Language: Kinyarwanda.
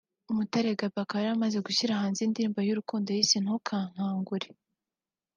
Umutare Gaby akaba yaramaze gushyira hanze indi y’urukundo yise’ Ntunkangure’